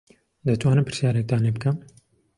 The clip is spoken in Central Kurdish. دەتوانم پرسیارێکتان لێ بکەم؟